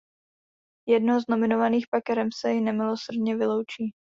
Jednoho z nominovaných pak Ramsay nemilosrdně vyloučí.